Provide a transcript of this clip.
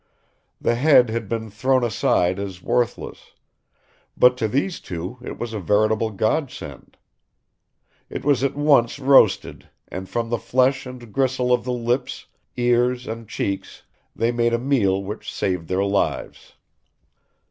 The head had been thrown aside as worthless; but to these two it was a veritable godsend. It was at once roasted, and from the flesh and gristle of the lips, ears, and cheeks they made a meal which saved their lives.